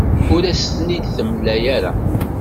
Ur as-ten-id-temla ara.